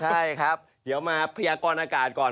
ใช่ครับเดี๋ยวมาพยากรอากาศก่อน